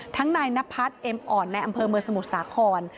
นายนพัฒน์เอ็มอ่อนในอำเภอเมืองสมุทรสาคร